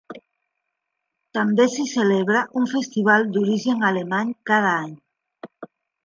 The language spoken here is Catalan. També s'hi celebra un festival d'origen alemany cada any.